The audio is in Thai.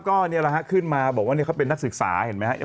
ก็นี่แหละฮะขึ้นมาบอกว่าเขาเป็นนักศึกษาเห็นไหมครับ